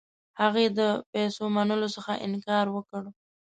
هغې د پیسو منلو څخه انکار وکړ.